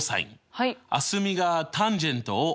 はい。